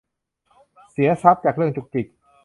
เสียทรัพย์จากเรื่องจุกจิก